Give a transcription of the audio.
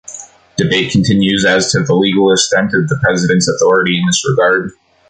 Debate continues as to the legal extent of the President's authority in this regard.